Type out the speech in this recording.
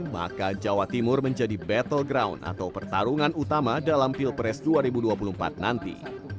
maka jawa timur menjadi battle ground atau pertarungan utama dalam pilpres dua ribu dua puluh empat nanti